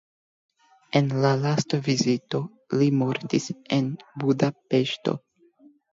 En la lasta vizito li mortis en Budapeŝto.